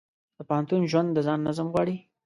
د پوهنتون ژوند د ځان نظم غواړي.